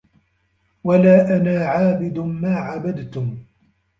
وَلا أَنا عابِدٌ ما عَبَدتُم